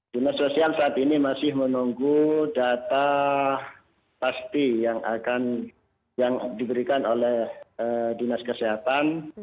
dinas sosial saat ini masih menunggu data pasti yang diberikan oleh dinas kesehatan